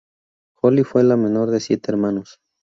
Holly fue la menor de siete hermanos.